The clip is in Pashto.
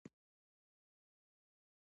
موږ د واک پر سر ټول عمر يو بل وژلې دي.